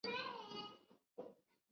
乾隆二十四年办事。